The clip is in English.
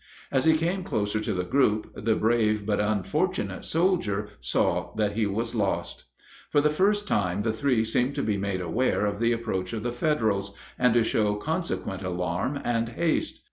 As he came closer to the group, the brave but unfortunate soldier saw that he was lost. For the first time the three seemed to be made aware of the approach of the Federals, and to show consequent alarm and haste.